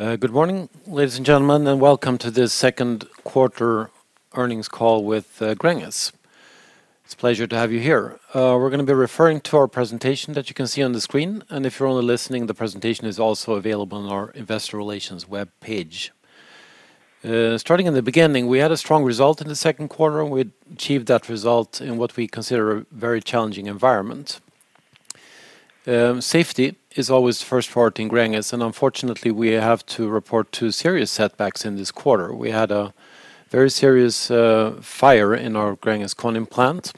Good morning, ladies and gentlemen, and welcome to the second quarter earnings call with Gränges. It's a pleasure to have you here. We're gonna be referring to our presentation that you can see on the screen, and if you're only listening, the presentation is also available on our investor relations webpage. Starting in the beginning, we had a strong result in the second quarter, and we achieved that result in what we consider a very challenging environment. Safety is always first priority in Gränges, and unfortunately, we have to report two serious setbacks in this quarter. We had a very serious fire in our Gränges Konin plant,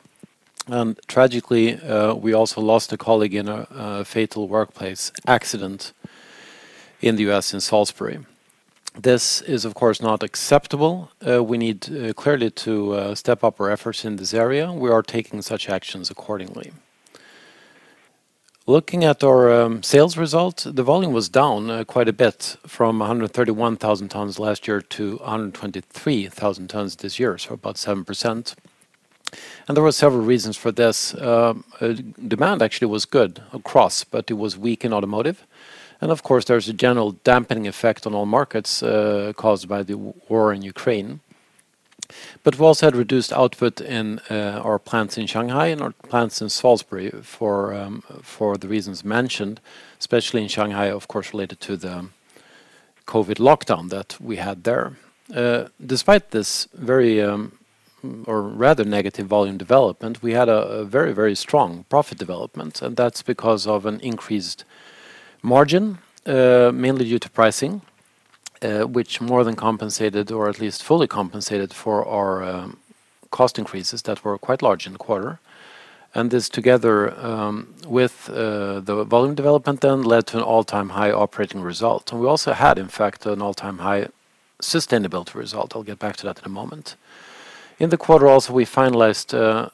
and tragically, we also lost a colleague in a fatal workplace accident in the U.S. in Salisbury. This is of course not acceptable. We need clearly to step up our efforts in this area. We are taking such actions accordingly. Looking at our sales result, the volume was down quite a bit from 131,000 tonnes last year to 123,000 tonnes this year, so about 7%. There were several reasons for this. Demand actually was good across, but it was weak in automotive. Of course, there's a general dampening effect on all markets caused by the war in Ukraine. We've also had reduced output in our plants in Shanghai and our plants in Salisbury for the reasons mentioned, especially in Shanghai, of course, related to the COVID lockdown that we had there. Despite this very, or rather negative volume development, we had a very, very strong profit development, and that's because of an increased margin, mainly due to pricing, which more than compensated or at least fully compensated for our, cost increases that were quite large in the quarter. This together with the volume development then led to an all-time high operating result. We also had, in fact, an all-time high sustainability result. I'll get back to that in a moment. In the quarter also, we finalized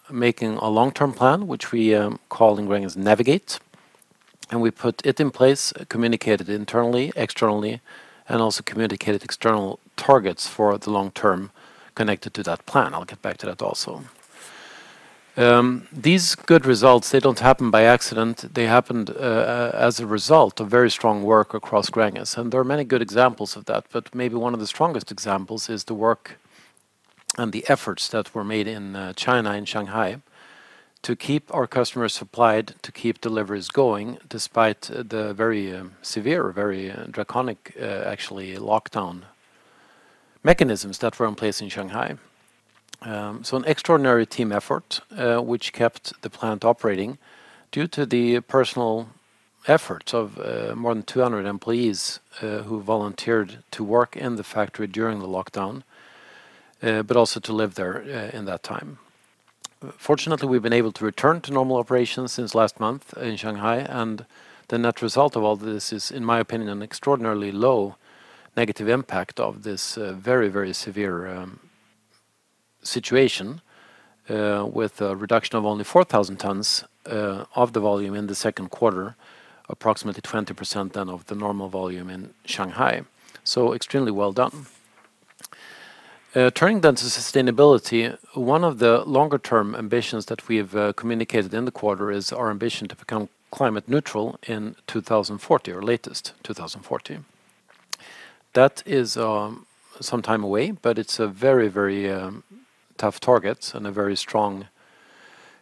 making a long-term plan, which we call Gränges Navigate. We put it in place, communicated internally, externally, and also communicated external targets for the long term connected to that plan. I'll get back to that also. These good results, they don't happen by accident. They happened as a result of very strong work across Gränges, and there are many good examples of that. Maybe one of the strongest examples is the work and the efforts that were made in China and Shanghai to keep our customers supplied, to keep deliveries going despite the very severe, very draconian, actually lockdown mechanisms that were in place in Shanghai. An extraordinary team effort which kept the plant operating due to the personal efforts of more than 200 employees who volunteered to work in the factory during the lockdown but also to live there in that time. Fortunately, we've been able to return to normal operations since last month in Shanghai, and the net result of all this is, in my opinion, an extraordinarily low negative impact of this very, very severe situation with a reduction of only 4,000 tonnes of the volume in the second quarter, approximately 20% then of the normal volume in Shanghai. Extremely well done. Turning to sustainability, one of the longer-term ambitions that we've communicated in the quarter is our ambition to become climate neutral in 2040 or latest 2040. That is some time away, but it's a very, very tough target and a very strong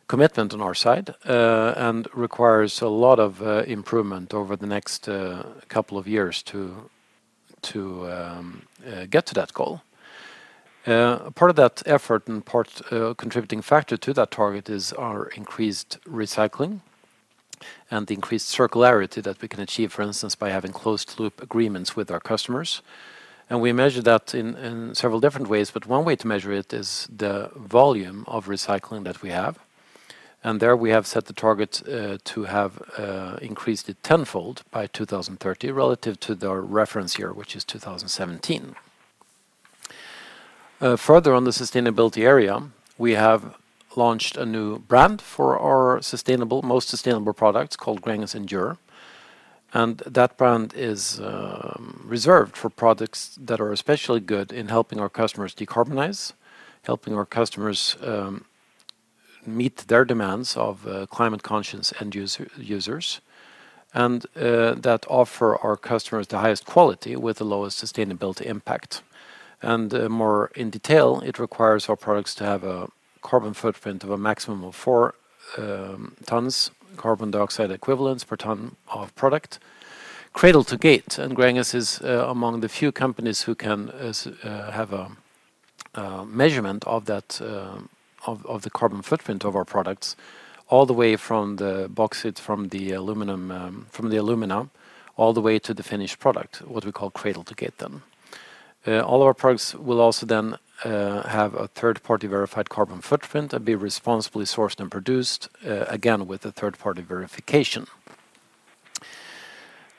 commitment on our side, and requires a lot of improvement over the next couple of years to get to that goal. Part of that effort and contributing factor to that target is our increased recycling and the increased circularity that we can achieve, for instance, by having closed loop agreements with our customers. We measure that in several different ways, but one way to measure it is the volume of recycling that we have. There we have set the target to have increased it tenfold by 2030 relative to the reference year, which is 2017. Further on the sustainability area, we have launched a new brand for our most sustainable products called Gränges Endure. That brand is reserved for products that are especially good in helping our customers decarbonize, helping our customers meet their demands of climate conscious end users, and that offer our customers the highest quality with the lowest sustainability impact. More in detail, it requires our products to have a carbon footprint of a maximum of 4 tonnes carbon dioxide equivalents per tonne of product, cradle to gate. Gränges is among the few companies who can have a measurement of that of the carbon footprint of our products all the way from the bauxite, from the aluminum, from the alumina, all the way to the finished product, what we call cradle to gate then. All of our products will also then have a third-party verified carbon footprint and be responsibly sourced and produced again with the third-party verification.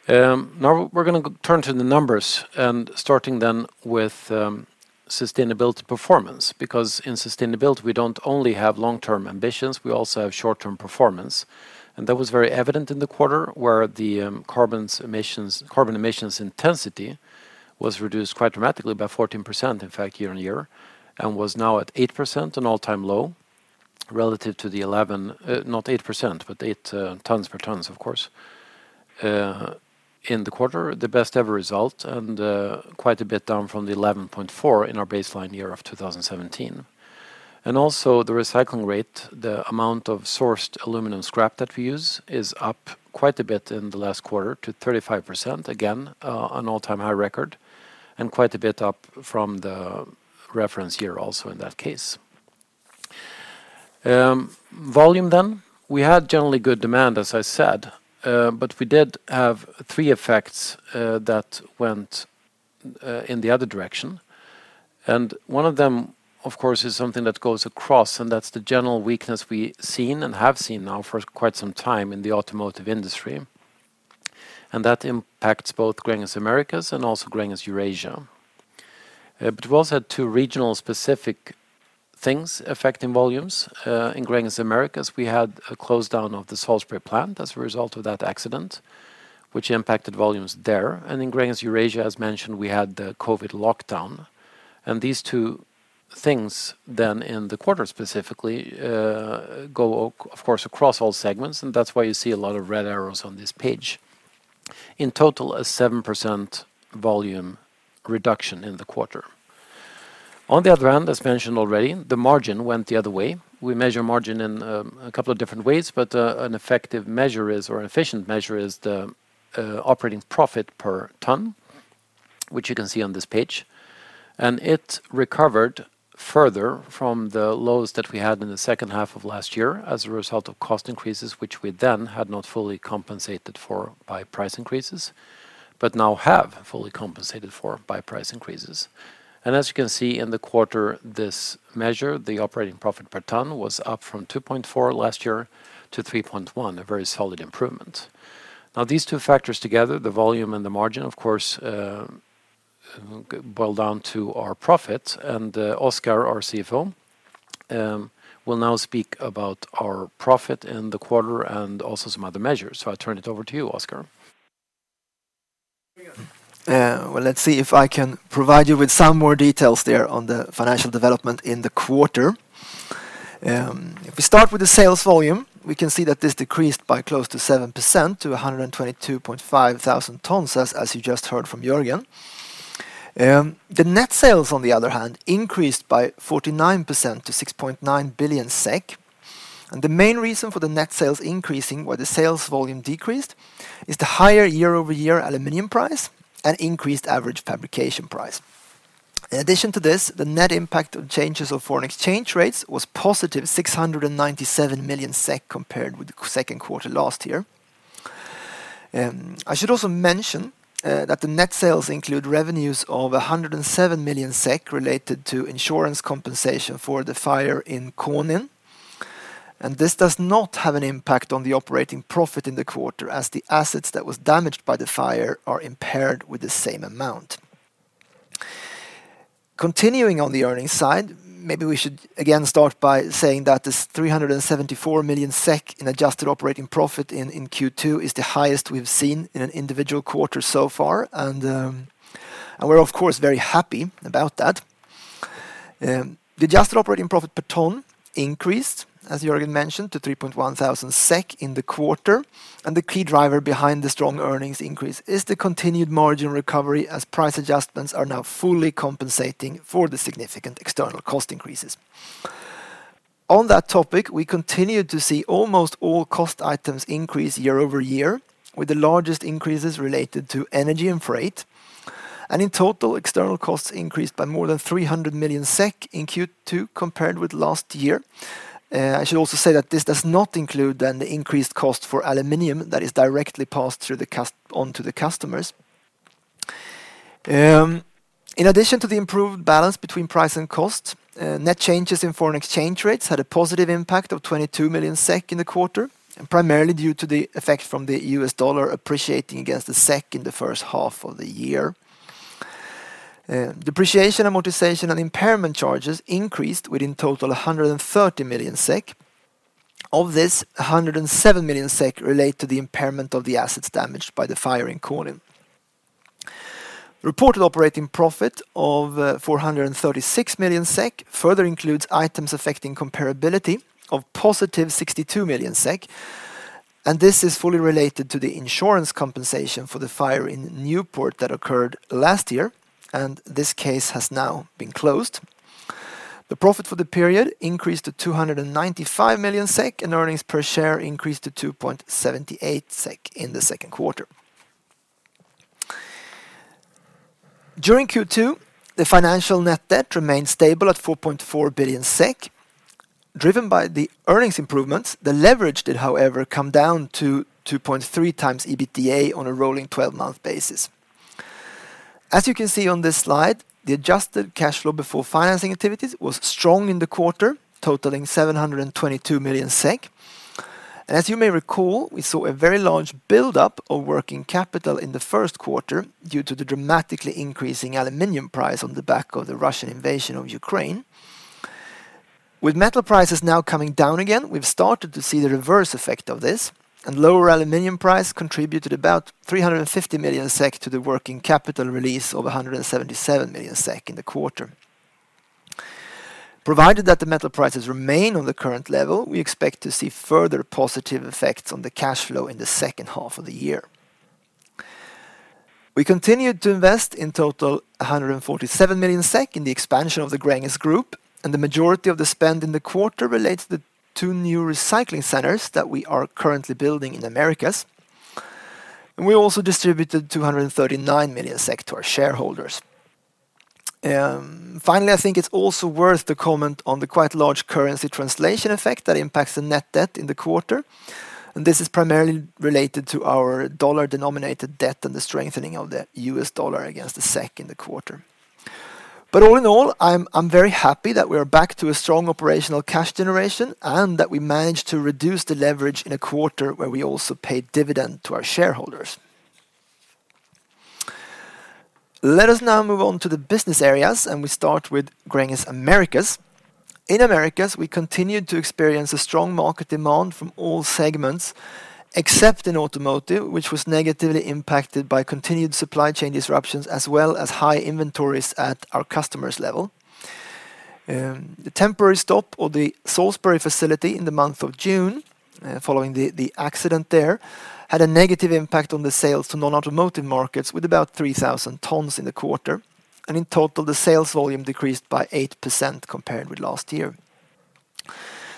Now we're gonna turn to the numbers and starting then with sustainability performance because in sustainability, we don't only have long-term ambitions, we also have short-term performance. That was very evident in the quarter where the carbon emissions intensity was reduced quite dramatically by 14%, in fact, year-over-year, and was now at 8%, an all-time low relative to the 11%, not 8%, but 8 tonnes per tonne, of course, in the quarter, the best ever result and quite a bit down from the 11.4% in our baseline year of 2017. Also the recycling rate, the amount of sourced aluminum scrap that we use is up quite a bit in the last quarter to 35%, again, an all-time high record, and quite a bit up from the reference year also in that case. Volume then. We had generally good demand, as I said, but we did have three effects that went in the other direction. One of them, of course, is something that goes across, and that's the general weakness we've seen and have seen now for quite some time in the automotive industry. That impacts both Gränges Americas and also Gränges Eurasia. But we've also had two regional specific things affecting volumes. In Gränges Americas, we had a shutdown of the Salisbury plant as a result of that accident, which impacted volumes there. In Gränges Eurasia, as mentioned, we had the COVID lockdown. These two things then in the quarter specifically, of course, across all segments, and that's why you see a lot of red arrows on this page. In total, a 7% volume reduction in the quarter. On the other hand, as mentioned already, the margin went the other way. We measure margin in a couple of different ways, but an effective measure is, or an efficient measure is the operating profit per tonne, which you can see on this page. It recovered further from the lows that we had in the second half of last year as a result of cost increases, which we then had not fully compensated for by price increases, but now have fully compensated for by price increases. As you can see in the quarter, this measure, the operating profit per tonne, was up from 2,400 last year to 3,100, a very solid improvement. Now, these two factors together, the volume and the margin, of course, boil down to our profit. Oskar, our CFO, will now speak about our profit in the quarter and also some other measures. I'll turn it over to you, Oskar. Let's see if I can provide you with some more details there on the financial development in the quarter. If we start with the sales volume, we can see that this decreased by close to 7% to 122,500 tonnes, as you just heard from Jörgen. The net sales, on the other hand, increased by 49% to 6.9 billion SEK. The main reason for the net sales increasing while the sales volume decreased is the higher year-over-year aluminum price and increased average fabrication price. In addition to this, the net impact of changes of foreign exchange rates was +697 million SEK compared with the second quarter last year. I should also mention that the net sales include revenues of 107 million SEK related to insurance compensation for the fire in Konin, and this does not have an impact on the operating profit in the quarter as the assets that was damaged by the fire are impaired with the same amount. Continuing on the earnings side, maybe we should again start by saying that this 374 million SEK in adjusted operating profit in Q2 is the highest we've seen in an individual quarter so far, and we're of course very happy about that. The adjusted operating profit per tonne increased, as Jörgen mentioned, to 3,100 SEK in the quarter, and the key driver behind the strong earnings increase is the continued margin recovery as price adjustments are now fully compensating for the significant external cost increases. On that topic, we continued to see almost all cost items increase year-over-year, with the largest increases related to energy and freight. In total, external costs increased by more than 300 million SEK in Q2 compared with last year. I should also say that this does not include then the increased cost for aluminum that is directly passed through onto the customers. In addition to the improved balance between price and cost, net changes in foreign exchange rates had a positive impact of 22 million SEK in the quarter, primarily due to the effect from the U.S. dollar appreciating against the SEK in the first half of the year. Depreciation, amortization, and impairment charges increased within total 130 million SEK. Of this, 107 million SEK relate to the impairment of the assets damaged by the fire in Konin. Reported operating profit of 436 million SEK further includes items affecting comparability of +62 million SEK, and this is fully related to the insurance compensation for the fire in Newport that occurred last year, and this case has now been closed. The profit for the period increased to 295 million SEK, and earnings per share increased to 2.78 SEK in the second quarter. During Q2, the financial net debt remained stable at 4.4 billion SEK. Driven by the earnings improvements, the leverage did, however, come down to 2.3x EBITDA on a rolling 12-month basis. As you can see on this slide, the adjusted cash flow before financing activities was strong in the quarter, totaling 722 million. As you may recall, we saw a very large buildup of working capital in the first quarter due to the dramatically increasing aluminum price on the back of the Russian invasion of Ukraine. With metal prices now coming down again, we've started to see the reverse effect of this, and lower aluminum price contributed about 350 million SEK to the working capital release of 177 million SEK in the quarter. Provided that the metal prices remain on the current level, we expect to see further positive effects on the cash flow in the second half of the year. We continued to invest in total 147 million SEK in the expansion of the Gränges Group, and the majority of the spend in the quarter relates to the two new recycling centers that we are currently building in Americas. We also distributed 239 million to our shareholders. Finally, I think it's also worth to comment on the quite large currency translation effect that impacts the net debt in the quarter, and this is primarily related to our dollar-denominated debt and the strengthening of the U.S. dollar against the SEK in the quarter. All in all, I'm very happy that we are back to a strong operational cash generation and that we managed to reduce the leverage in a quarter where we also paid dividend to our shareholders. Let us now move on to the business areas, and we start with Gränges Americas. In Americas, we continued to experience a strong market demand from all segments except in automotive, which was negatively impacted by continued supply chain disruptions as well as high inventories at our customers' level. The temporary stop of the Salisbury facility in the month of June, following the accident there, had a negative impact on the sales to non-automotive markets with about 3,000 tonnes in the quarter. In total, the sales volume decreased by 8% compared with last year.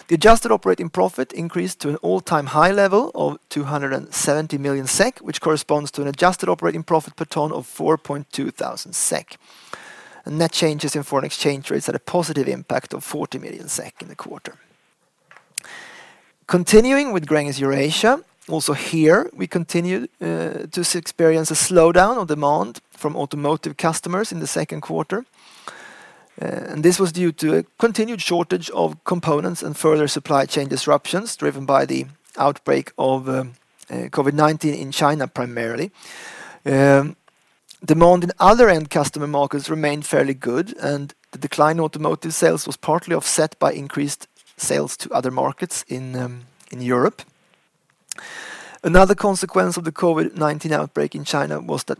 The adjusted operating profit increased to an all-time high level of 270 million SEK, which corresponds to an adjusted operating profit per tonne of 4,200 SEK. The net changes in foreign exchange rates had a positive impact of 40 million SEK in the quarter. Continuing with Gränges Eurasia, also here, we continued to experience a slowdown of demand from automotive customers in the second quarter. This was due to a continued shortage of components and further supply chain disruptions driven by the outbreak of COVID-19 in China primarily. Demand in other end customer markets remained fairly good, and the decline in automotive sales was partly offset by increased sales to other markets in Europe. Another consequence of the COVID-19 outbreak in China was that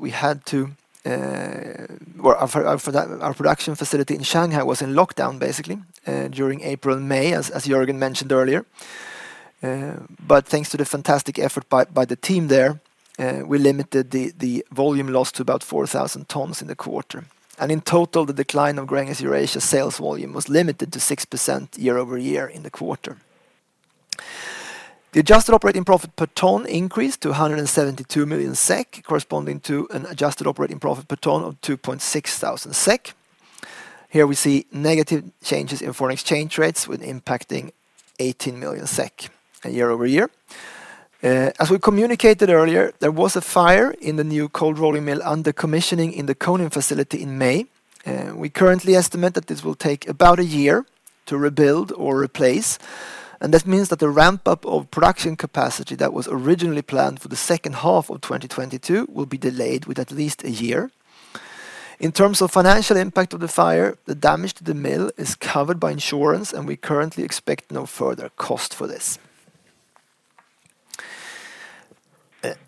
our production facility in Shanghai was in lockdown basically during April and May, as Jörgen mentioned earlier. Thanks to the fantastic effort by the team there, we limited the volume loss to about 4,000 tonnes in the quarter. In total, the decline of Gränges Eurasia sales volume was limited to 6% year-over-year in the quarter. The adjusted operating profit increased to 172 million SEK, corresponding to an adjusted operating profit per tonne of 2,600 SEK. Here we see negative changes in foreign exchange rates impacting 18 million SEK year-over-year. As we communicated earlier, there was a fire in the new cold rolling mill under commissioning in the Konin facility in May. We currently estimate that this will take about a year to rebuild or replace, and that means that the ramp-up of production capacity that was originally planned for the second half of 2022 will be delayed by at least a year. In terms of financial impact of the fire, the damage to the mill is covered by insurance, and we currently expect no further cost for this.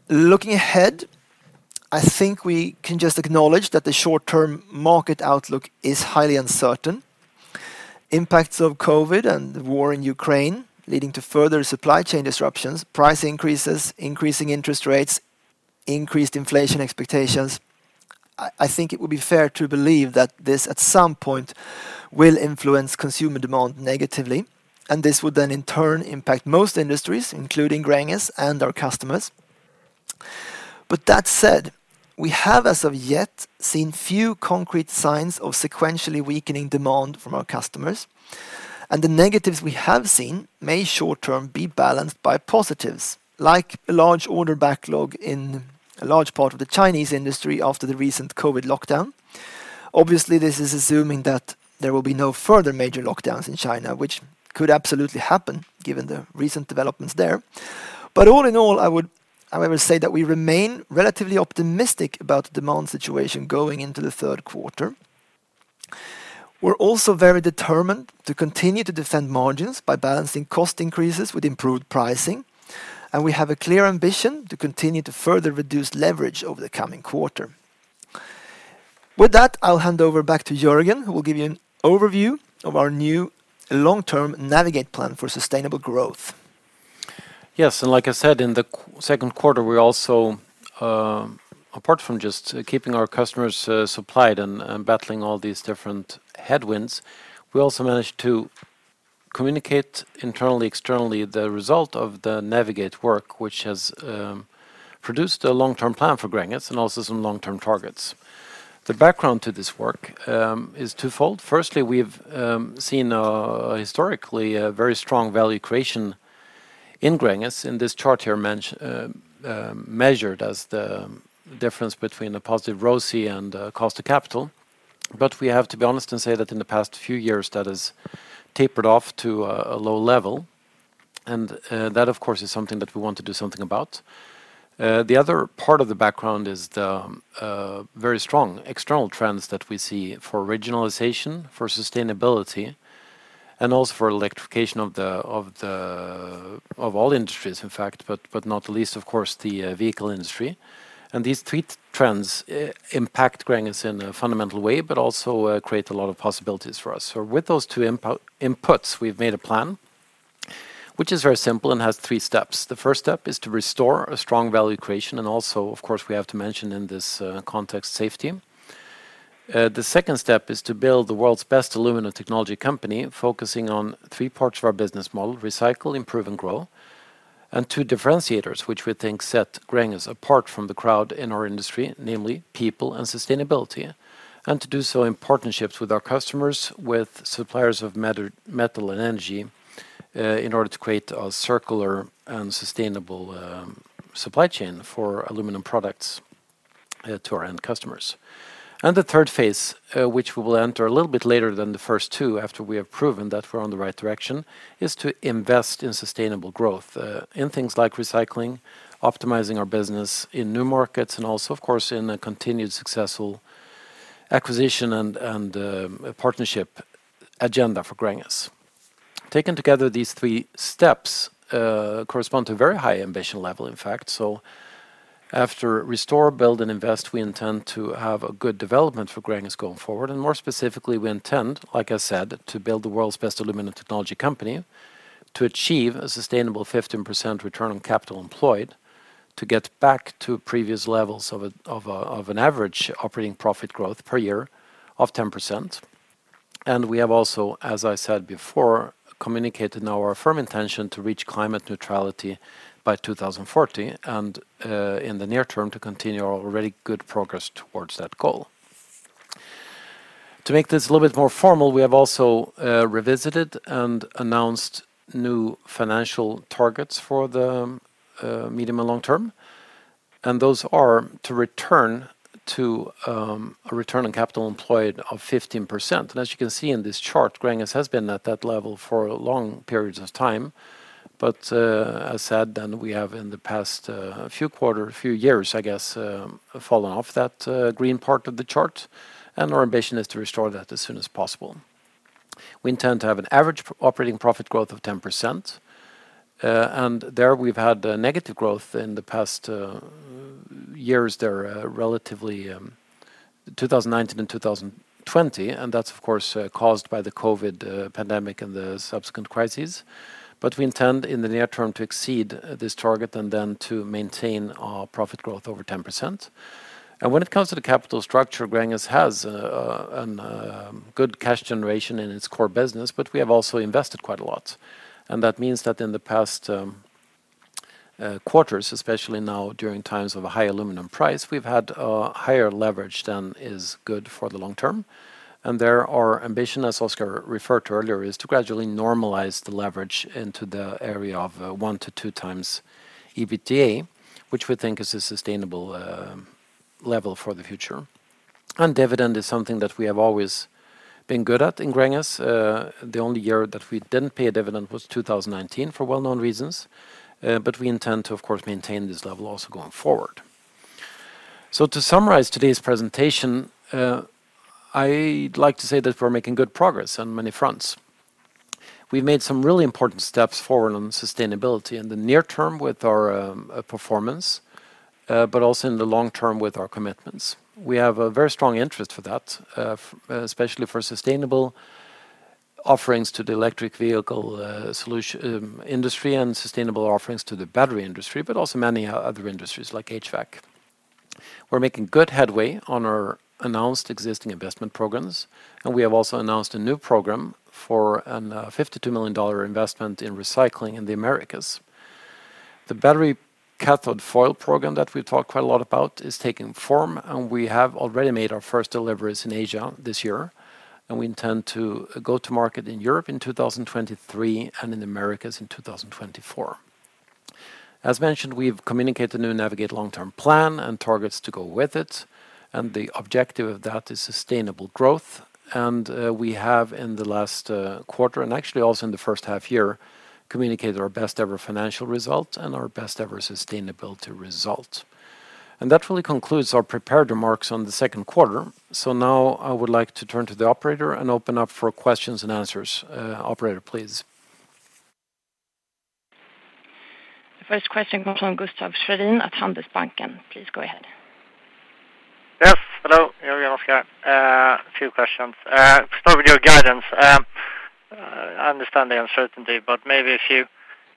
Looking ahead, I think we can just acknowledge that the short-term market outlook is highly uncertain. Impacts of COVID and the war in Ukraine leading to further supply chain disruptions, price increases, increasing interest rates, increased inflation expectations. I think it would be fair to believe that this, at some point, will influence consumer demand negatively, and this would then in turn impact most industries, including Gränges and our customers. That said, we have, as of yet, seen few concrete signs of sequentially weakening demand from our customers, and the negatives we have seen may short-term be balanced by positives, like a large order backlog in a large part of the Chinese industry after the recent COVID lockdown. Obviously, this is assuming that there will be no further major lockdowns in China, which could absolutely happen given the recent developments there. All in all, I would, however, say that we remain relatively optimistic about the demand situation going into the third quarter. We're also very determined to continue to defend margins by balancing cost increases with improved pricing, and we have a clear ambition to continue to further reduce leverage over the coming quarter. With that, I'll hand over back to Jörgen, who will give you an overview of our new long-term Navigate plan for sustainable growth. Yes, like I said, in the second quarter, we also, apart from just keeping our customers supplied and battling all these different headwinds, we also managed to communicate internally, externally the result of the Navigate work, which has produced a long-term plan for Gränges and also some long-term targets. The background to this work is twofold. Firstly, we've seen historically a very strong value creation in Gränges. In this chart here measured as the difference between the positive ROCE and cost of capital. We have to be honest and say that in the past few years, that has tapered off to a low level, and that of course is something that we want to do something about. The other part of the background is the very strong external trends that we see for regionalization, for sustainability and also for electrification of all industries, in fact, but not least, of course, the vehicle industry. These three trends impact Gränges' in a fundamental way, but also create a lot of possibilities for us. With those two inputs, we've made a plan which is very simple and has three steps. The first step is to restore a strong value creation, and also, of course, we have to mention in this context safety. The second step is to build the world's best aluminum technology company, focusing on three parts of our business model, recycle, improve, and grow, and two differentiators, which we think set Gränges apart from the crowd in our industry, namely people and sustainability. To do so in partnerships with our customers, with suppliers of metal and energy, in order to create a circular and sustainable supply chain for aluminum products to our end customers. The third phase, which we will enter a little bit later than the first two, after we have proven that we're on the right direction, is to invest in sustainable growth in things like recycling, optimizing our business in new markets, and also, of course, in a continued successful acquisition and partnership agenda for Gränges. Taken together, these three steps correspond to a very high ambition level, in fact. After restore, build, and invest, we intend to have a good development for Gränges going forward. More specifically, we intend, like I said, to build the world's best aluminum technology company to achieve a sustainable 15% return on capital employed, to get back to previous levels of an average operating profit growth per year of 10%. We have also, as I said before, communicated now our firm intention to reach climate neutrality by 2040, and in the near term, to continue our already good progress towards that goal. To make this a little bit more formal, we have also revisited and announced new financial targets for the medium and long term, and those are to return to a return on capital employed of 15%. As you can see in this chart, Gränges has been at that level for long periods of time. As said, we have in the past few years, I guess, fallen off that green part of the chart, and our ambition is to restore that as soon as possible. We intend to have an average operating profit growth of 10%. There we've had a negative growth in the past years, relatively, 2019 and 2020, and that's of course caused by the COVID pandemic and the subsequent crises. We intend, in the near term, to exceed this target and then to maintain our profit growth over 10%. When it comes to the capital structure, Gränges has a good cash generation in its core business, but we have also invested quite a lot. That means that in the past quarters, especially now during times of a high aluminum price, we've had a higher leverage than is good for the long term. There, our ambition, as Oskar referred to earlier, is to gradually normalize the leverage into the area of 1-2x EBITDA, which we think is a sustainable level for the future. Dividend is something that we have always been good at in Gränges. The only year that we didn't pay a dividend was 2019, for well-known reasons, but we intend to, of course, maintain this level also going forward. To summarize today's presentation, I'd like to say that we're making good progress on many fronts. We've made some really important steps forward on sustainability in the near term with our performance, but also in the long term with our commitments. We have a very strong interest for that, especially for sustainable offerings to the electric vehicle industry and sustainable offerings to the battery industry, but also many other industries like HVAC. We're making good headway on our announced existing investment programs, and we have also announced a new program for a $52 million investment in recycling in the Americas. The battery cathode foil program that we've talked quite a lot about is taking form, and we have already made our first deliveries in Asia this year, and we intend to go to market in Europe in 2023 and in Americas in 2024. As mentioned, we've communicated the new Navigate long-term plan and targets to go with it, and the objective of that is sustainable growth. We have in the last quarter, and actually also in the first half year, communicated our best ever financial result and our best ever sustainability result. That really concludes our prepared remarks on the second quarter. Now I would like to turn to the operator and open up for questions and answers. Operator, please. The first question comes from Gustaf Schwerin at Handelsbanken. Please go ahead. Yes, hello. Two questions. Full year guidance, understand there are uncertainty but maybe seem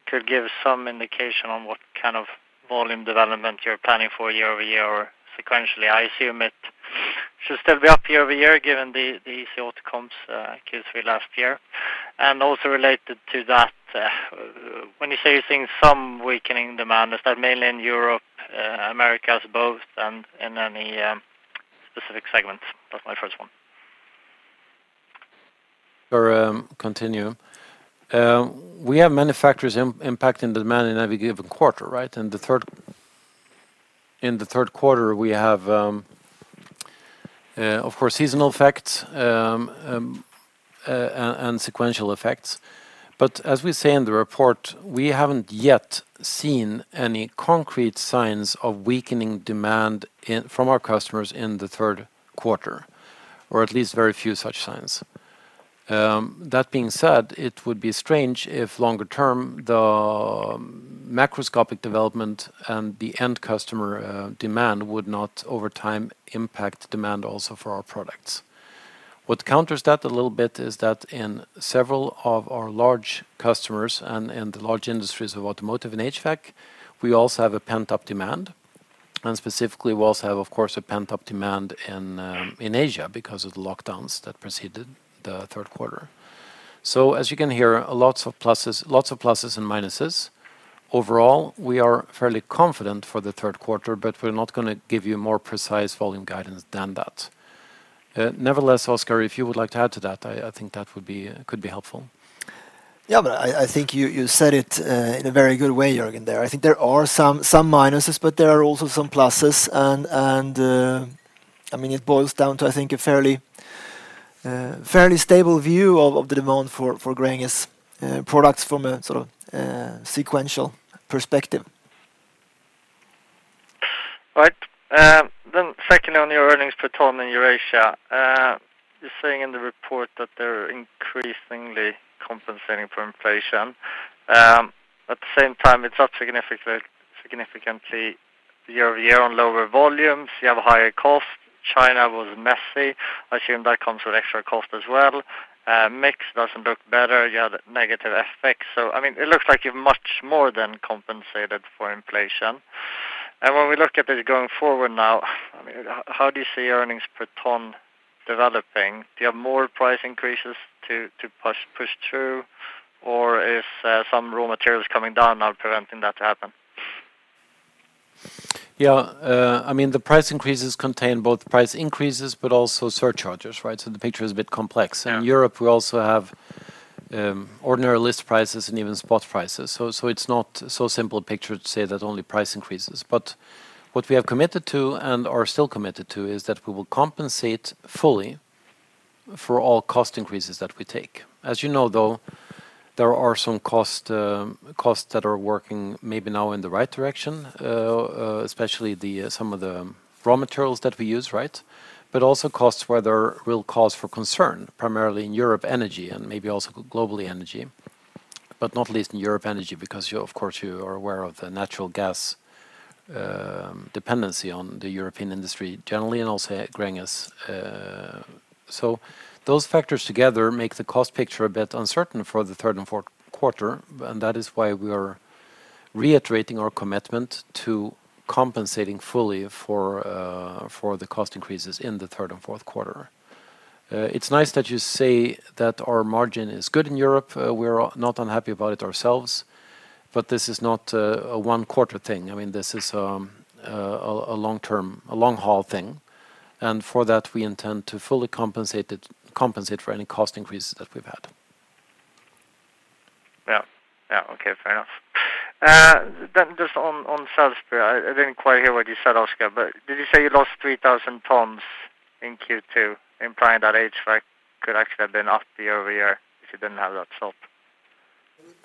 to give some indication on what kind of volatile development you're planning for year-over-year sequentially. I assume it should be up year-over-year given the results from last year. Also related to that, when you say things some weakening demand, is that mainly Europe, Americas, both, and then the next segments. That's my first one. Sure, continue. We have many factors impacting demand in any given quarter, right? In the third quarter, we have, of course, seasonal effects and sequential effects. As we say in the report, we haven't yet seen any concrete signs of weakening demand from our customers in the third quarter, or at least very few such signs. That being said, it would be strange if longer term, the macroeconomic development and the end customer demand would not over time impact demand also for our products. What counters that a little bit is that in several of our large customers and the large industries of automotive and HVAC, we also have a pent-up demand, and specifically we also have, of course, a pent-up demand in Asia because of the lockdowns that preceded the third quarter. As you can hear, lots of pluses, lots of pluses and minuses. Overall, we are fairly confident for the third quarter, but we're not gonna give you more precise volume guidance than that. Nevertheless, Oskar, if you would like to add to that, I think that could be helpful. Yeah, I think you said it in a very good way, Jörgen, there. I think there are some minuses, but there are also some pluses, and I mean, it boils down to, I think, a fairly stable view of the demand for Gränges products from a sort of sequential perspective. All right. Secondly on your earnings per tonne in Eurasia, you're saying in the report that they're increasingly compensating for inflation, at the same time it's not significantly year-over-year on lower volumes. You have a higher cost. China was messy. I assume that comes with extra cost as well. Mix doesn't look better. You had negative effects. I mean, it looks like you're much more than compensated for inflation. When we look at it going forward now, I mean, how do you see earnings per tonne developing? Do you have more price increases to push through? Or is some raw materials coming down now preventing that to happen? Yeah. I mean, the price increases contain both price increases but also surcharges, right? The picture is a bit complex. Yeah. In Europe, we also have ordinary list prices and even spot prices. It's not so simple a picture to say that only price increases. What we have committed to and are still committed to is that we will compensate fully for all cost increases that we take. As you know, though, there are some costs that are working maybe now in the right direction, especially some of the raw materials that we use, right? Also costs where there are real causes for concern, primarily in European energy, and maybe also global energy. Not least in European energy, because you, of course, are aware of the natural gas dependency on the European industry generally and also at Gränges. Those factors together make the cost picture a bit uncertain for the third and fourth quarter, and that is why we are reiterating our commitment to compensating fully for the cost increases in the third and fourth quarter. It's nice that you say that our margin is good in Europe. We're not unhappy about it ourselves, but this is not a one quarter thing. I mean, this is a long-term, a long-haul thing, and for that, we intend to fully compensate for any cost increases that we've had. Yeah. Yeah. Okay. Fair enough. Just on Salisbury, I didn't quite hear what you said, Oskar, but did you say you lost 3,000 tonnes in Q2 implying that HVAC could actually have been up year-over-year if you didn't have that stop?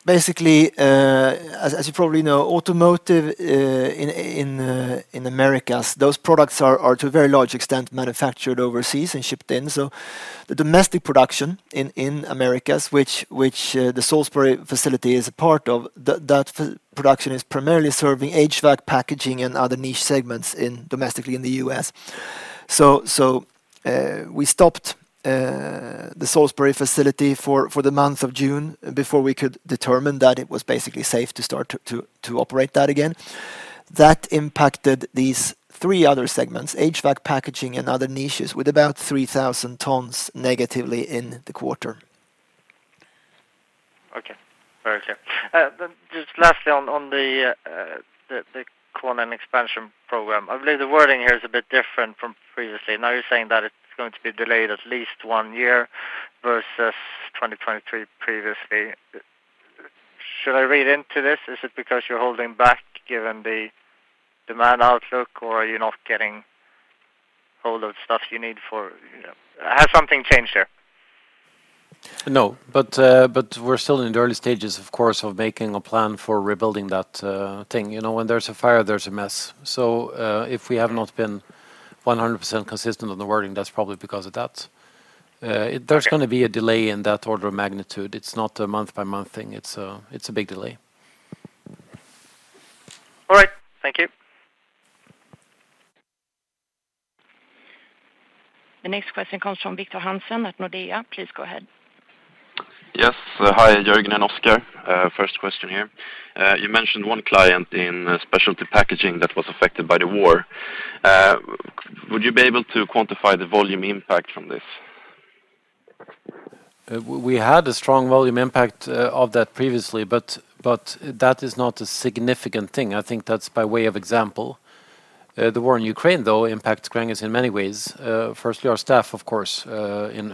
Basically, as you probably know, automotive in Americas, those products are to a very large extent manufactured overseas and shipped in. The domestic production in Americas, which the Salisbury facility is a part of, that production is primarily serving HVAC packaging and other niche segments domestically in the U.S. We stopped the Salisbury facility for the month of June before we could determine that it was basically safe to start to operate that again. That impacted these three other segments, HVAC, packaging, and other niches with about 3,000 tonnes negatively in the quarter. Okay. Very clear. Just lastly on the Konin expansion program. I believe the wording here is a bit different from previously. Now you're saying that it's going to be delayed at least one year versus 2023 previously. Should I read into this? Is it because you're holding back given the demand outlook, or are you not getting hold of stuff you need? Has something changed there? No. We're still in the early stages, of course, of making a plan for rebuilding that thing. You know, when there's a fire, there's a mess. If we have not been 100% consistent on the wording, that's probably because of that. Okay. There's gonna be a delay in that order of magnitude. It's not a month by month thing. It's a big delay. All right. Thank you. The next question comes from Victor Hansen at Nordea. Please go ahead. Yes. Hi, Jörgen and Oskar. First question here. You mentioned one client in specialty packaging that was affected by the war. Would you be able to quantify the volume impact from this? We had a strong volume impact of that previously, but that is not a significant thing. I think that's by way of example. The war in Ukraine, though, impacts Gränges in many ways. Firstly, our staff, of course,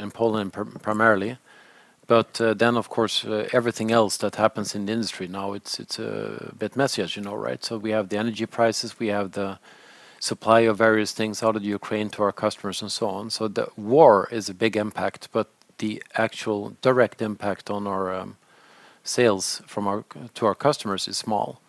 in Poland primarily. Then of course, everything else that happens in the industry now, it's a bit messy as you know, right? We have the energy prices, we have the supply of various things out of Ukraine to our customers and so on. The war is a big impact, but the actual direct impact on our clients. Sales from ours to our customers is small.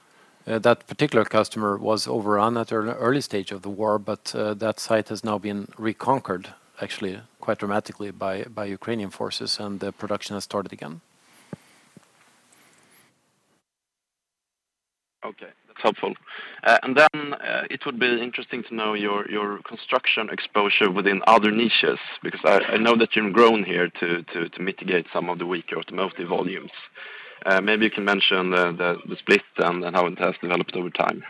That particular customer was overrun at early stage of the war, but that site has now been reconquered actually quite dramatically by Ukrainian forces, and the production has started again. Okay. That's helpful. It would be interesting to know your construction exposure within other niches, because I know that you've grown here to mitigate some of the weaker automotive volumes. Maybe you can mention the split and how it has developed over time.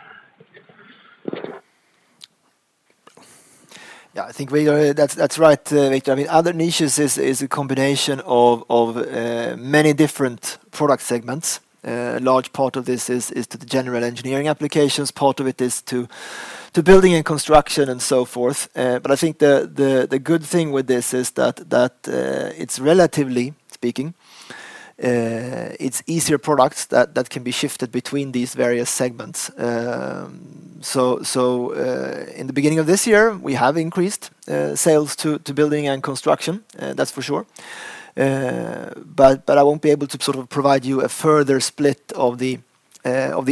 Yeah. I think we are. That's right, Victor. I mean, other niches is a combination of many different product segments. A large part of this is to the general engineering applications. Part of it is to building and construction and so forth. But I think the good thing with this is that it's relatively speaking it's easier products that can be shifted between these various segments. So in the beginning of this year, we have increased sales to building and construction, that's for sure. But I won't be able to sort of provide you a further split of the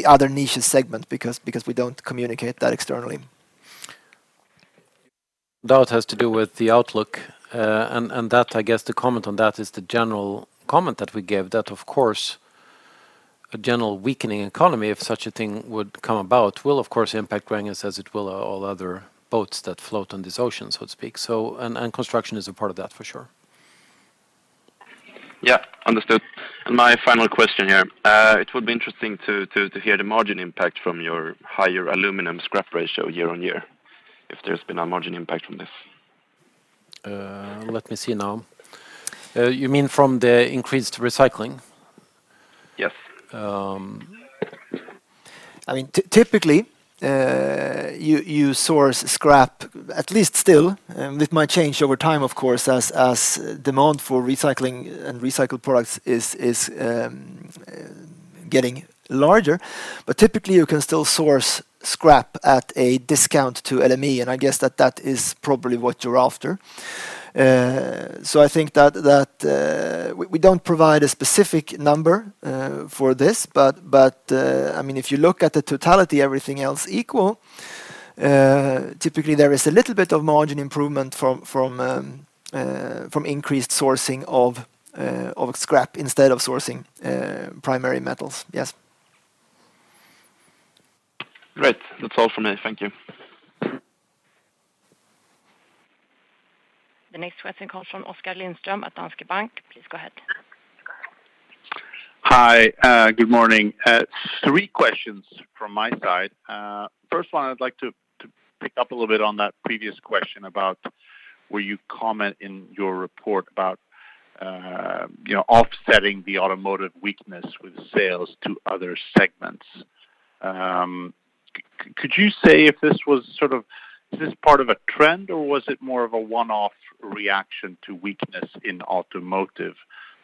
other niches segment because we don't communicate that externally. That has to do with the outlook. I guess the comment on that is the general comment that we gave, that of course a general weakening economy, if such a thing would come about, will of course impact Gränges as it will all other boats that float on this ocean, so to speak. Construction is a part of that for sure. Yeah. Understood. My final question here. It would be interesting to hear the margin impact from your higher aluminum scrap ratio year-on-year, if there's been a margin impact from this? Let me see now. You mean from the increased recycling? Yes. I mean, typically, you source scrap at least still, and it might change over time, of course, as demand for recycling and recycled products is getting larger. Typically, you can still source scrap at a discount to LME, and I guess that is probably what you're after. I think that we don't provide a specific number for this, but I mean, if you look at the totality, everything else equal, typically there is a little bit of margin improvement from increased sourcing of scrap instead of sourcing primary metals. Yes. Great. That's all from me. Thank you. The next question comes from Oskar Lindström at Danske Bank. Please go ahead. Hi. Good morning. Three questions from my side. First one, I'd like to pick up a little bit on that previous question about where you comment in your report about, you know, offsetting the automotive weakness with sales to other segments. Could you say if this was sort of, is this part of a trend, or was it more of a one-off reaction to weakness in automotive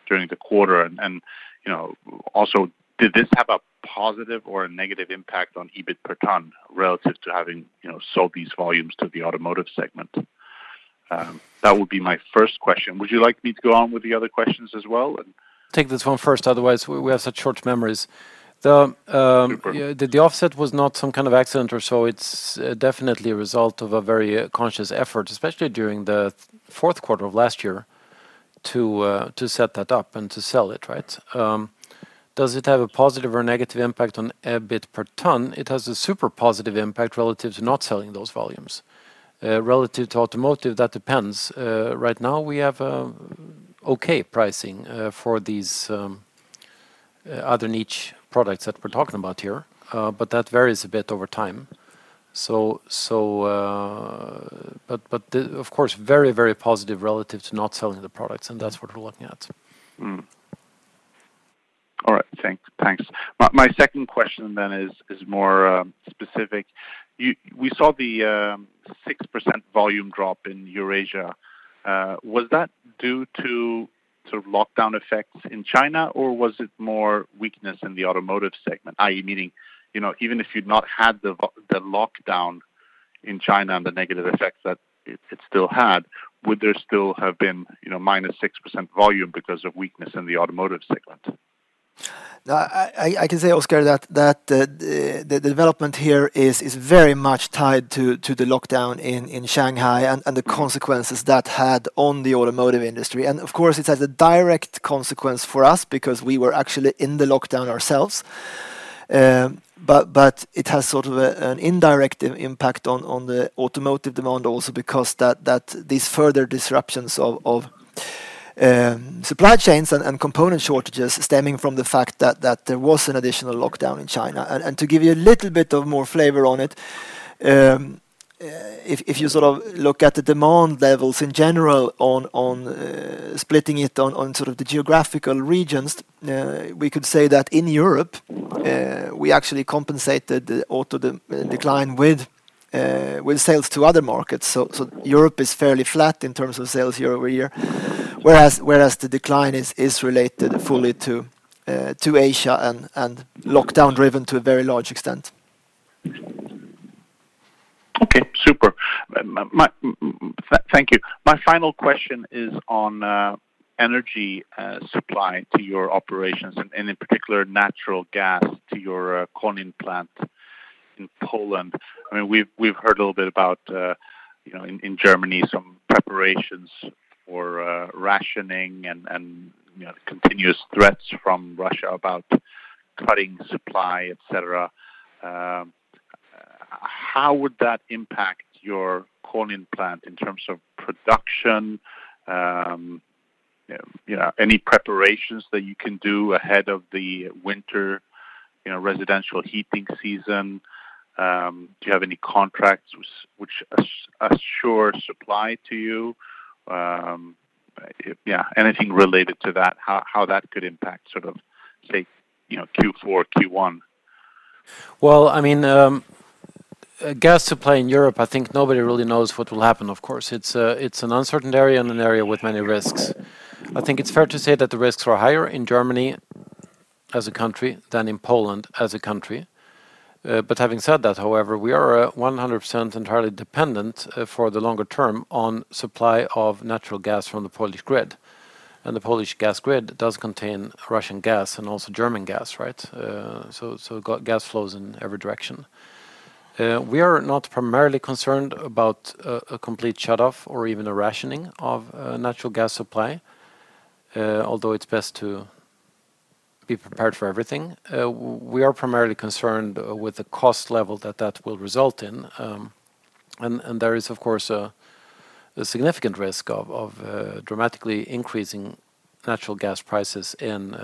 during the quarter? And, you know, also did this have a positive or a negative impact on EBIT per tonne relative to having, you know, sold these volumes to the automotive segment? That would be my first question. Would you like me to go on with the other questions as well and- Take this one first, otherwise we have such short memories. Superb. The offset was not some kind of accident or so. It's definitely a result of a very conscious effort, especially during the fourth quarter of last year to set that up and to sell it, right? Does it have a positive or negative impact on EBIT per tonne? It has a super positive impact relative to not selling those volumes. Relative to automotive, that depends. Right now we have okay pricing for these other niche products that we're talking about here, but that varies a bit over time. Of course very positive relative to not selling the products, and that's what we're looking at. All right. Thanks. My second question is more specific. We saw the 6% volume drop in Eurasia. Was that due to sort of lockdown effects in China, or was it more weakness in the automotive segment? I mean, you know, even if you'd not had the lockdown in China and the negative effects that it still had, would there still have been, you know, -6% volume because of weakness in the automotive segment? No, I can say, Oskar, that the development here is very much tied to the lockdown in Shanghai and the consequences that had on the automotive industry. Of course, it has a direct consequence for us because we were actually in the lockdown ourselves. It has sort of an indirect impact on the automotive demand also because that these further disruptions of supply chains and component shortages stemming from the fact that there was an additional lockdown in China. To give you a little bit of more flavor on it, if you sort of look at the demand levels in general, splitting it on sort of the geographical regions, we could say that in Europe, we actually compensated the auto decline with sales to other markets. Europe is fairly flat in terms of sales year-over-year, whereas the decline is related fully to Asia and lockdown driven to a very large extent. Okay, super. Thank you. My final question is on energy supply to your operations and in particular natural gas to your Konin plant in Poland. I mean, we've heard a little bit about you know in Germany some preparations for rationing and you know continuous threats from Russia about cutting supply, et cetera. How would that impact your Konin plant in terms of production? You know, any preparations that you can do ahead of the winter, you know residential heating season? Do you have any contracts which assure supply to you? Yeah, anything related to that, how that could impact sort of, say, you know Q4, Q1. Well, I mean, gas supply in Europe, I think nobody really knows what will happen, of course. It's an uncertain area and an area with many risks. I think it's fair to say that the risks are higher in Germany as a country than in Poland as a country. But having said that, however, we are 100% entirely dependent, for the longer term on supply of natural gas from the Polish grid. The Polish gas grid does contain Russian gas and also German gas, right? So gas flows in every direction. We are not primarily concerned about a complete shutoff or even a rationing of natural gas supply, although it's best to be prepared for everything. We are primarily concerned with the cost level that will result in. There is of course a significant risk of dramatically increasing natural gas prices in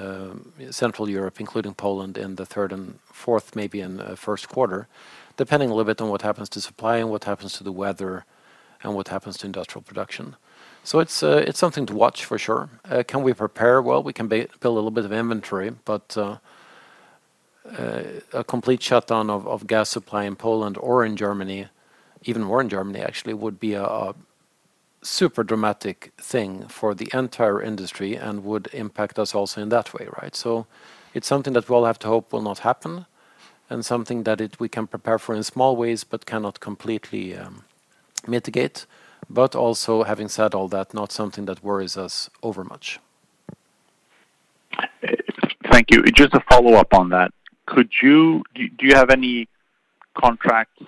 Central Europe, including Poland in the third and fourth, maybe in first quarter, depending a little bit on what happens to supply and what happens to the weather and what happens to industrial production. It's something to watch for sure. Can we prepare? Well, we can build a little bit of inventory, but a complete shutdown of gas supply in Poland or in Germany, even more in Germany actually, would be a super dramatic thing for the entire industry and would impact us also in that way, right? It's something that we'll have to hope will not happen and something that we can prepare for in small ways but cannot completely mitigate. Also having said all that, not something that worries us over much. Thank you. Just a follow-up on that. Do you have any contracts,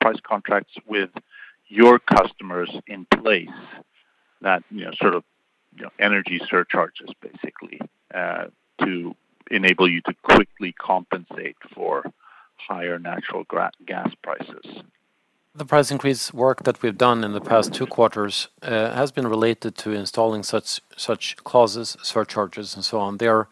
price contracts with your customers in place that, you know, sort of, you know, energy surcharges basically, to enable you to quickly compensate for higher natural gas prices? The price increase work that we've done in the past two quarters has been related to installing such clauses, surcharges and so on. They are,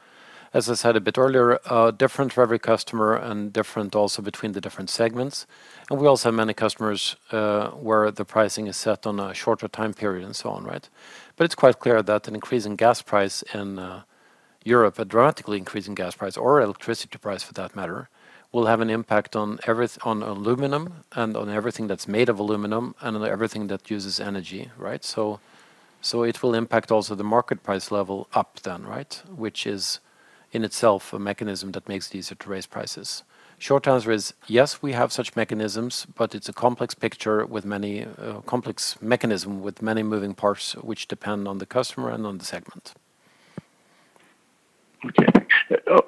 as I said a bit earlier, different for every customer and different also between the different segments. We also have many customers where the pricing is set on a shorter time period and so on, right? It's quite clear that an increase in gas price in Europe, a dramatic increase in gas price or electricity price for that matter, will have an impact on aluminum and on everything that's made of aluminum and on everything that uses energy, right? It will impact also the market price level up then, right? Which is in itself a mechanism that makes it easier to raise prices. Short answer is, yes, we have such mechanisms, but it's a complex picture with many complex mechanisms with many moving parts which depend on the customer and on the segment.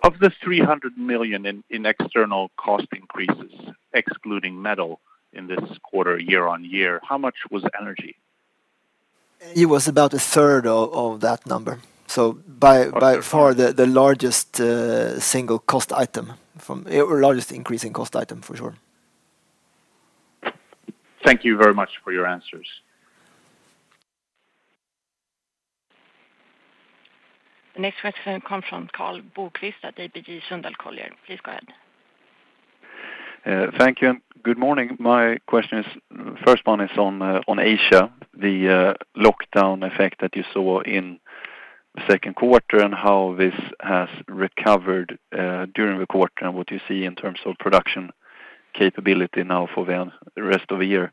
Of the 300 million in external cost increases, excluding metal in this quarter, year-over-year, how much was energy? It was about 1/3 of that number. Okay. By far the largest single cost item or largest increase in cost item for sure. Thank you very much for your answers. The next question comes from Karl Bokvist at ABG Sundal Collier. Please go ahead. Thank you and good morning. My question is, first one is on Asia, the lockdown effect that you saw in second quarter and how this has recovered during the quarter and what you see in terms of production capability now for the rest of the year?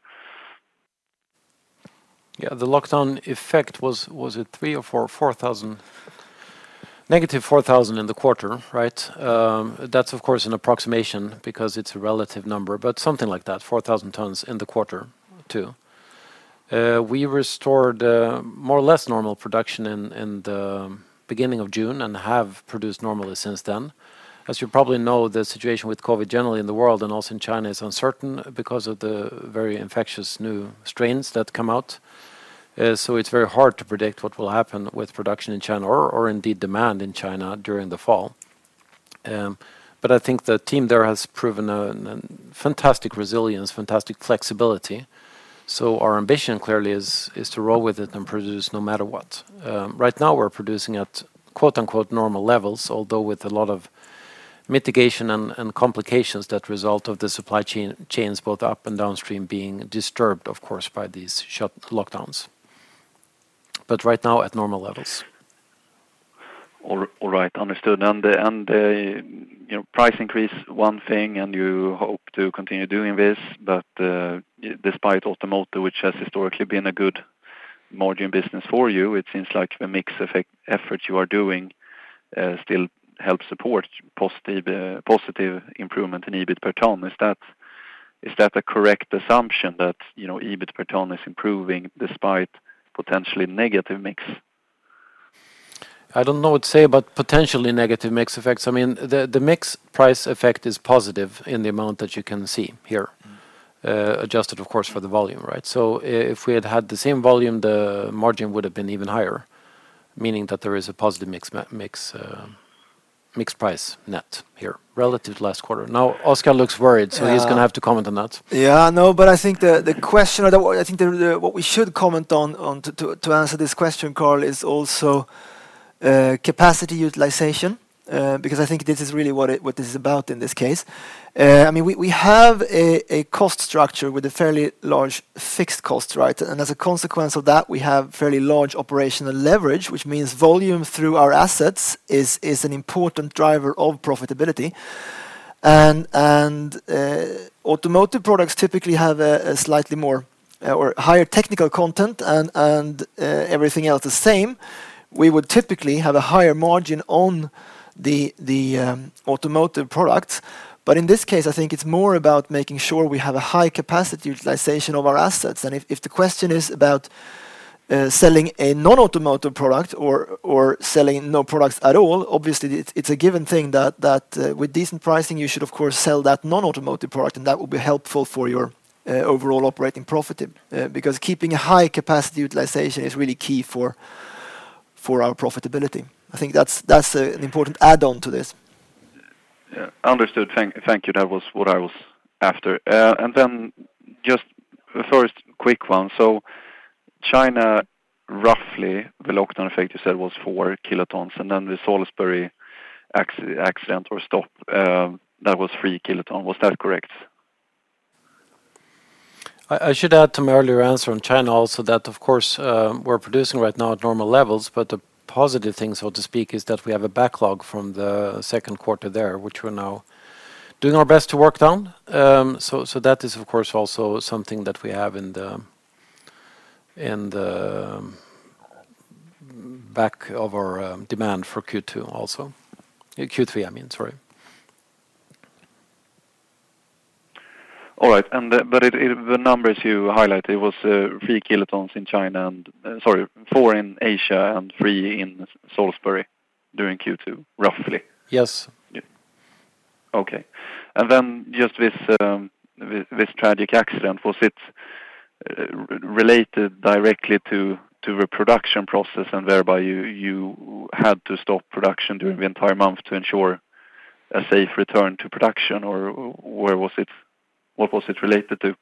Yeah. The lockdown effect was it 3,000 tonnes or 4,000 tonnes? -4,000 tonnes in the quarter, right? That's of course an approximation because it's a relative number, but something like that, 4,000 tonnes in the quarter too. We restored more or less normal production in the beginning of June and have produced normally since then. As you probably know, the situation with COVID generally in the world and also in China is uncertain because of the very infectious new strains that come out. So it's very hard to predict what will happen with production in China or indeed demand in China during the fall. But I think the team there has proven an fantastic resilience, fantastic flexibility. Our ambition clearly is to roll with it and produce no matter what. Right now we're producing at quote-unquote normal levels, although with a lot of mitigation and complications that result from the supply chains both up and downstream being disturbed, of course, by these lockdowns. Right now at normal levels. All right. Understood. The, you know, price increase one thing, and you hope to continue doing this, but despite automotive, which has historically been a good margin business for you, it seems like the mix effect efforts you are doing still help support positive improvement in EBIT per tonne. Is that a correct assumption that, you know, EBIT per tonne is improving despite potentially negative mix? I don't know what to say about potentially negative mix effects. I mean, the mix price effect is positive in the amount that you can see here, adjusted of course for the volume, right? If we had had the same volume, the margin would've been even higher, meaning that there is a positive mix price net here relative to last quarter. Now, Oskar looks worried, so he's gonna have to comment on that. I think what we should comment on to answer this question, Karl, is also capacity utilization, because I think this is really what this is about in this case. I mean, we have a cost structure with a fairly large fixed cost, right? As a consequence of that, we have fairly large operational leverage, which means volume through our assets is an important driver of profitability. Automotive products typically have a slightly more or higher technical content and everything else the same. We would typically have a higher margin on the automotive products. In this case, I think it's more about making sure we have a high capacity utilization of our assets. If the question is about selling a non-automotive product or selling no products at all, obviously it's a given thing that with decent pricing you should of course sell that non-automotive product, and that will be helpful for your overall operating profit, because keeping a high capacity utilization is really key for our profitability. I think that's an important add-on to this. Yeah. Understood. Thank you. That was what I was after. Just the first quick one. China, roughly the lockdown effect you said was 4 kilotonnes, and then the Salisbury accident or stop, that was 3 kilotonnes. Was that correct? I should add to my earlier answer on China also that of course, we're producing right now at normal levels, but the positive thing, so to speak, is that we have a backlog from the second quarter there, which we're now doing our best to work down. That is, of course, also something that we have in the back of our mind for Q2 also. Q3, I mean, sorry. All right. The numbers you highlighted was 3 kilotonnes in China and, sorry, 4 kilotonnes in Asia and 3 kilotonnes in Salisbury during Q2, roughly? Yes. Yeah. Okay. Just this tragic accident, was it related directly to the production process and thereby you had to stop production during the entire month to ensure a safe return to production? Or where was it? What was it related to?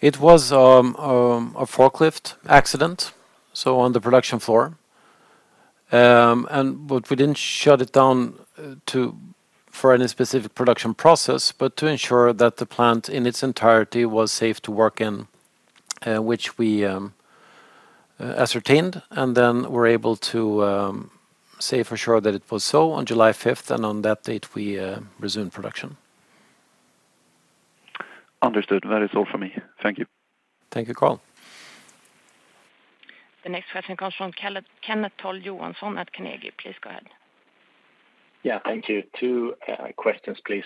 It was a forklift accident so on the production floor. We didn't shut it down for any specific production process, but to ensure that the plant in its entirety was safe to work in, which we ascertained and then were able to say for sure that it was so on July 5th, and on that date we resumed production. Understood. That is all for me. Thank you. Thank you, Karl. The next question comes from Kenneth Toll Johansson at Carnegie. Please go ahead. Yeah. Thank you. Two questions, please.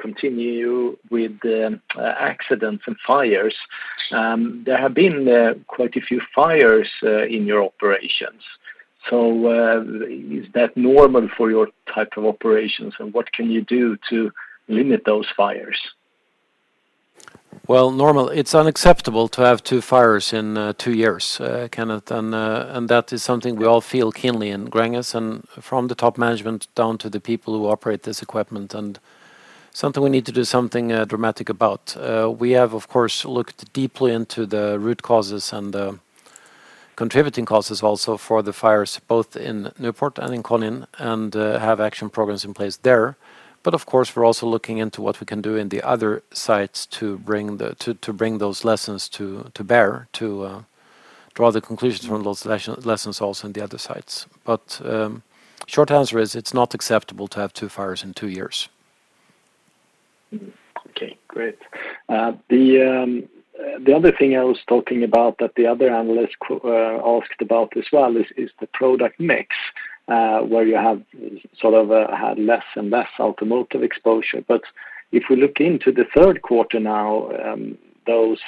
Continue with the accidents and fires. There have been quite a few fires in your operations. Is that normal for your type of operations, and what can you do to limit those fires? Well, normally, it's unacceptable to have two fires in two years, Kenneth. That is something we all feel keenly in Gränges, from the top management down to the people who operate this equipment, and something we need to do something dramatic about. We have, of course, looked deeply into the root causes and the contributing causes also for the fires, both in Newport and in Konin, and have action programs in place there. Of course, we're also looking into what we can do in the other sites to bring those lessons to bear to draw the conclusions from those lessons also in the other sites. Short answer is it's not acceptable to have two fires in two years. The other thing I was talking about that the other analyst asked about as well is the product mix, where you have sort of had less and less automotive exposure. If we look into the third quarter now, those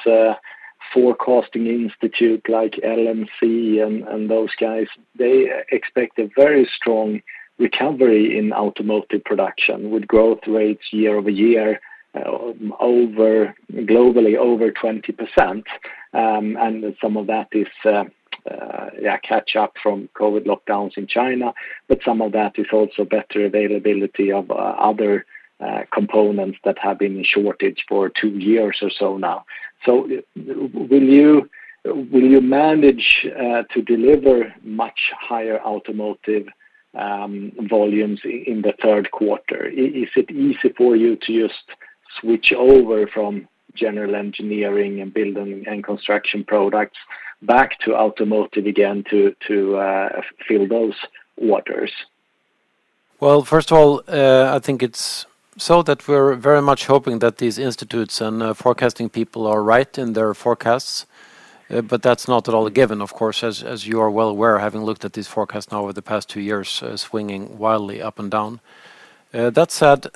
forecasting institute like LMC and those guys, they expect a very strong recovery in automotive production with growth rates year-over-year, globally over 20%. Some of that is yeah, catch up from COVID lockdowns in China, but some of that is also better availability of other components that have been in shortage for two years or so now. Will you manage to deliver much higher automotive volumes in the third quarter? Is it easy for you to just switch over from general engineering and building and construction products back to automotive again to fill those orders? Well, first of all, I think it's so that we're very much hoping that these institutes and forecasting people are right in their forecasts. That's not at all given, of course, as you are well aware, having looked at these forecasts now over the past two years, swinging wildly up and down. That said,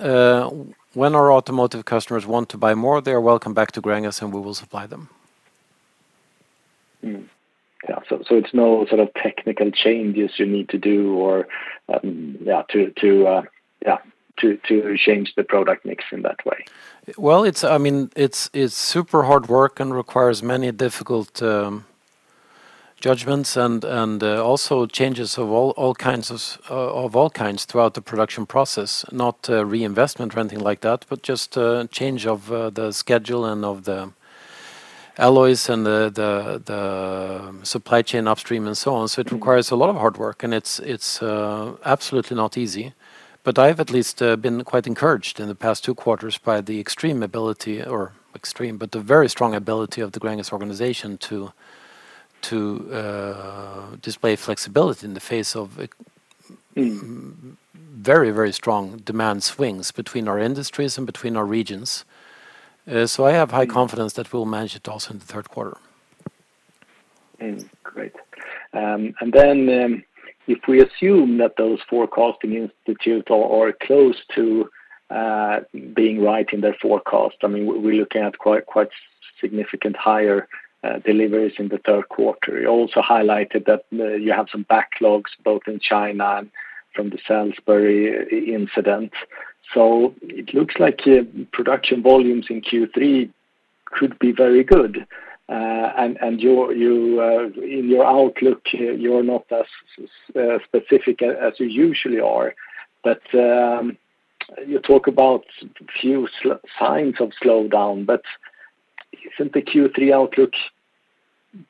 when our automotive customers want to buy more, they are welcome back to Gränges, and we will supply them. Yeah. It's no sort of technical changes you need to do or, yeah, to change the product mix in that way? Well, I mean, it's super hard work and requires many difficult judgments and also changes of all kinds throughout the production process. Not reinvestment or anything like that, but just a change of the schedule and of the alloys and the supply chain upstream and so on. It requires a lot of hard work, and it's absolutely not easy. I've at least been quite encouraged in the past two quarters by the very strong ability of the Gränges organization to display flexibility in the face of. Very, very strong demand swings between our industries and between our regions. I have high confidence that we'll manage it also in the third quarter. Great. If we assume that those forecasting institutes are close to being right in their forecast, I mean, we're looking at quite significantly higher deliveries in the third quarter. You also highlighted that you have some backlogs both in China and from the Salisbury incident. It looks like production volumes in Q3 could be very good. In your outlook, you're not as specific as you usually are. You talk about few signs of slowdown, but isn't the Q3 outlook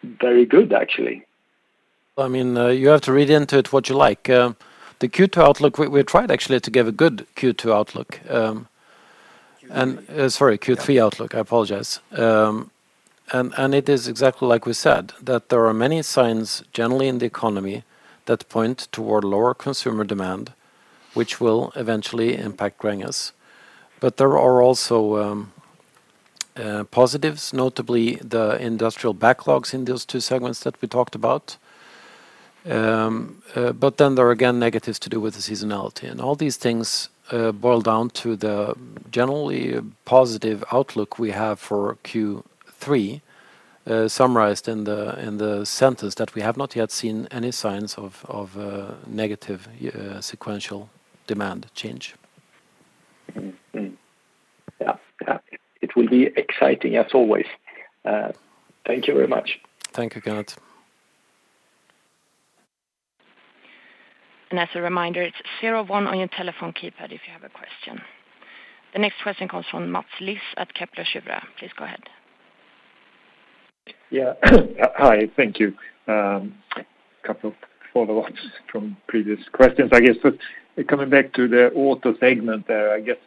very good, actually? I mean, you have to read into it what you like. The Q2 outlook, we tried actually to give a good Q2 outlook. Q3. Sorry, Q3 outlook. Yeah. I apologize. It is exactly like we said, that there are many signs generally in the economy that point toward lower consumer demand, which will eventually impact Gränges. There are also positives, notably the industrial backlogs in those two segments that we talked about. There are again negatives to do with the seasonality. All these things boil down to the generally positive outlook we have for Q3, summarized in the sentence that we have not yet seen any signs of negative sequential demand change. Yeah. It will be exciting as always. Thank you very much. Thank you, Kenneth. As a reminder, it's zero one on your telephone keypad if you have a question. The next question comes from Mats Liss at Kepler Cheuvreux. Please go ahead. Yeah. Hi. Thank you. Couple of follow-ups from previous questions, I guess. Coming back to the auto segment, I guess,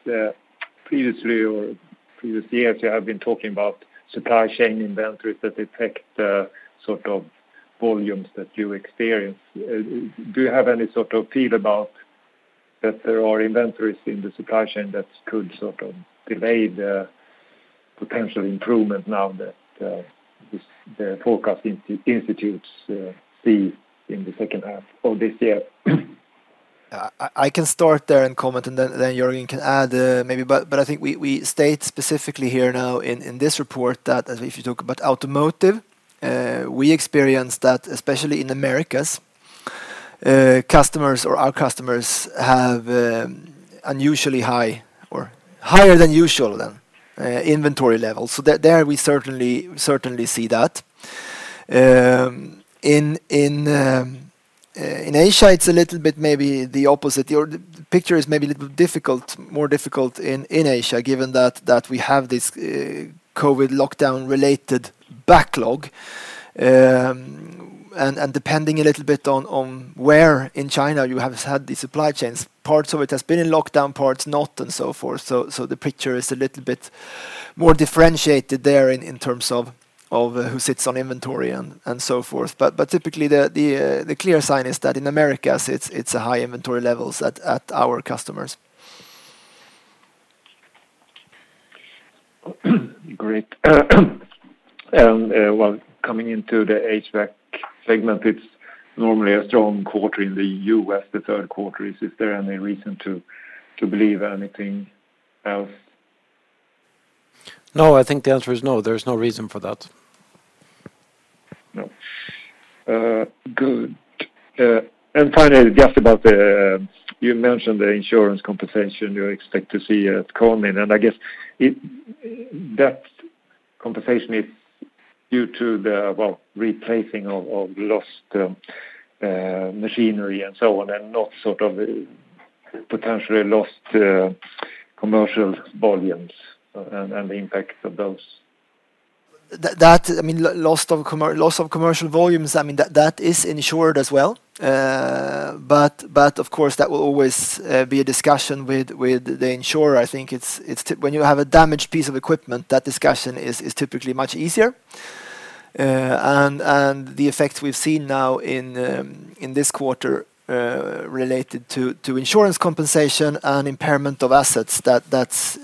previously or previous years, you have been talking about supply chain inventories that affect the sort of volumes that you experience. Do you have any sort of feel about that there are inventories in the supply chain that could sort of delay the potential improvement now that the forecasting institutes see in the second half of this year? I can start there and comment, and then Jörgen can add, maybe. I think we state specifically here now in this report that if you talk about automotive, we experience that, especially in Americas, customers or our customers have unusually high or higher than usual inventory levels. There we certainly see that. In Asia, it's a little bit maybe the opposite. The picture is maybe a little difficult, more difficult in Asia, given that we have this COVID lockdown related backlog. Depending a little bit on where in China you have had the supply chains, parts of it has been in lockdown, parts not, and so forth. The picture is a little bit more differentiated there in terms of who sits on inventory and so forth. Typically the clear sign is that in Americas, it's high inventory levels at our customers. Great. Well, coming into the HVAC segment, it's normally a strong quarter in the U.S., the third quarter is. Is there any reason to believe anything else? No, I think the answer is no. There's no reason for that. No. Good. Finally, just about. You mentioned the insurance compensation you expect to see at Konin. I guess that compensation is due to the well, replacing of lost machinery and so on, and not sort of potentially lost commercial volumes and the impact of those. That, I mean, loss of commercial volumes, I mean, that is insured as well. Of course, that will always be a discussion with the insurer. I think it's when you have a damaged piece of equipment, that discussion is typically much easier. The effect we've seen now in this quarter related to insurance compensation and impairment of assets. That's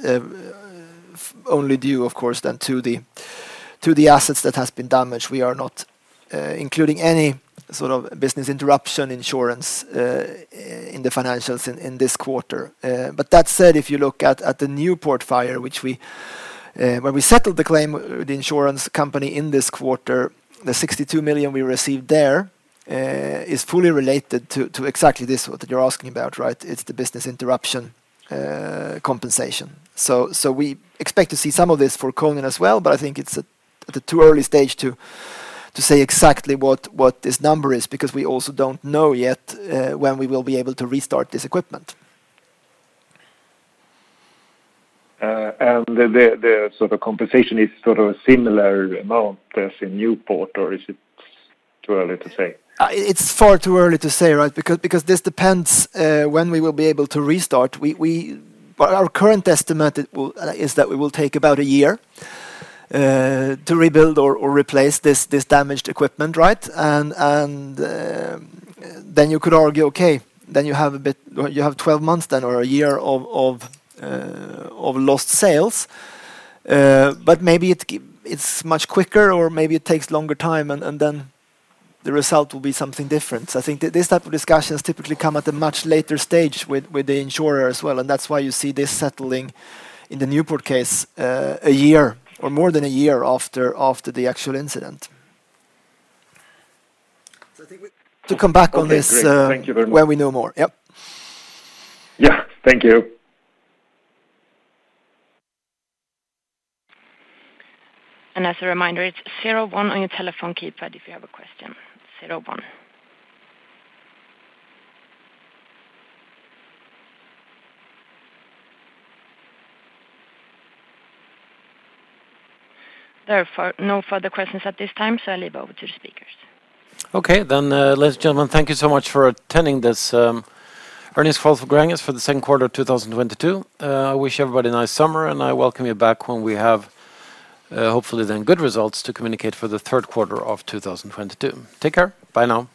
only due, of course, then to the assets that has been damaged. We are not including any sort of business interruption insurance in the financials in this quarter. That said, if you look at the Newport fire, which we. When we settled the claim with the insurance company in this quarter, the 62 million we received there is fully related to exactly this, what you're asking about, right? It's the business interruption compensation. We expect to see some of this for Konin as well, but I think it's at a too early stage to say exactly what this number is because we also don't know yet when we will be able to restart this equipment. The sort of compensation is sort of a similar amount as in Newport, or is it too early to say? It's far too early to say, right? Because this depends when we will be able to restart. Our current estimate is that it will take about a year to rebuild or replace this damaged equipment, right? You could argue, okay, you have 12 months then or a year of lost sales. Maybe it's much quicker or maybe it takes longer time and then the result will be something different. I think these type of discussions typically come at a much later stage with the insurer as well, and that's why you see this settling in the Newport case, a year or more than a year after the actual incident. I think we. To come back on this. Okay. Great. Thank you very much. When we know more. Yep. Yeah. Thank you. As a reminder, it's zero one on your telephone keypad if you have a question, zero one. There are no further questions at this time, so I leave over to the speakers. Okay. Ladies and gentlemen, thank you so much for attending this earnings call for Gränges for the second quarter of 2022. I wish everybody a nice summer, and I welcome you back when we have hopefully then good results to communicate for the third quarter of 2022. Take care. Bye now.